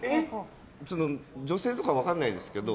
女性とか分からないですけど